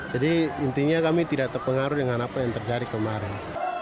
jadi intinya kami tidak terpengaruh dengan apa yang terjadi kemarin